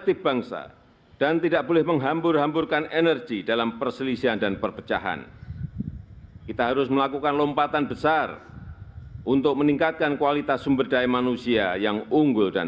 tanda kebesaran buka hormat senjata